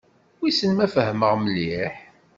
Wissen ma fehmeɣ mliḥ.